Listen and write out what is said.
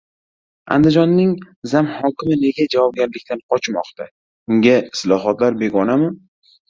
Andijonning "zamhokimi" nega javobgarlikdan qochmoqda? Unga islohotlar begonami?